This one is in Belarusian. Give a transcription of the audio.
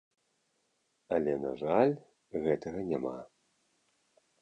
Але, на жаль, гэтага няма.